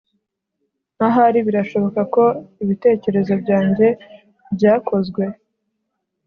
Ahari birashoboka ko ibitekerezo byanjye byakozwe